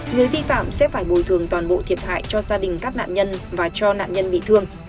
người vi phạm sẽ phải bồi thường toàn bộ thiệt hại cho gia đình các nạn nhân và cho nạn nhân bị thương